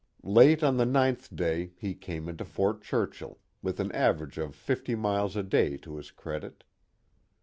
Late on the ninth day he came into Fort Churchill, with an average of fifty miles a day to his credit.